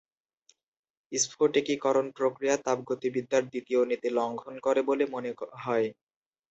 স্ফটিকীকরণ প্রক্রিয়া তাপগতিবিদ্যার দ্বিতীয় নীতি লঙ্ঘন করে বলে মনে হয়।